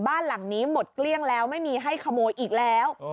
บ้านหลังนี้หมดเกลี้ยงแล้วไม่มีให้ขโมยอีกแล้ว